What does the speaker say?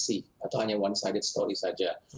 atau hanya satu sisi atau hanya one sided story saja